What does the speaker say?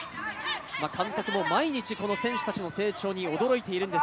監督も毎日、選手たちの成長に驚いているんです。